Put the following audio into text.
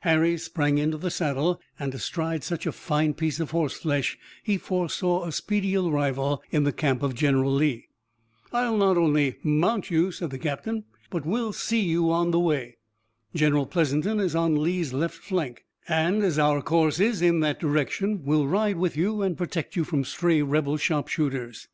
Harry sprang into the saddle, and, astride such a fine piece of horseflesh, he foresaw a speedy arrival in the camp of General Lee. "I'll not only mount you," said the captain, "but we'll see you on the way. General Pleasanton is on Lee's left flank and, as our course is in that direction, we'll ride with you, and protect you from stray rebel sharpshooters."